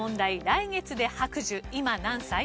「来月で白寿今何歳？」。